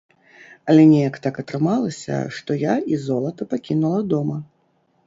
Але неяк так атрымалася, што я і золата пакінула дома.